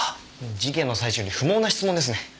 事件の最中に不毛な質問ですね。